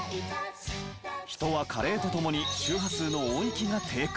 人は加齢とともに周波数の音域が低下。